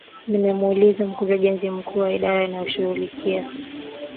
nimemuliza mkurugenzi mkuu wa idara inayoshughulikia